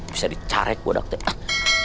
bisa dicaret buat dokter